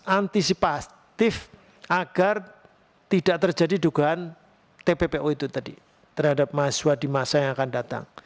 antisipatif agar tidak terjadi dugaan tppo itu tadi terhadap mahasiswa di masa yang akan datang